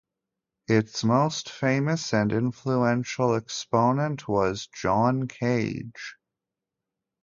Its most famous and influential exponent was John Cage.